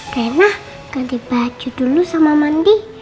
rena ganti baju dulu sama mandi